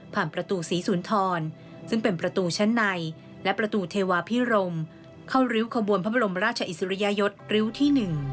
ประตูศรีสุนทรซึ่งเป็นประตูชั้นในและประตูเทวาพิรมเข้าริ้วขบวนพระบรมราชอิสริยยศริ้วที่๑